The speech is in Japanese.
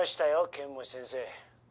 剣持先生。